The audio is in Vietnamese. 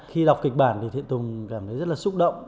khi đọc kịch bản thì thiện tùng cảm thấy rất là xúc động